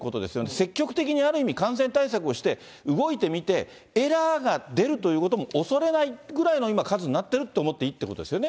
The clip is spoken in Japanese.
積極的にある意味、感染対策をして、動いてみて、エラーが出るということも恐れないぐらいの今、数になってると思っていいということですよね。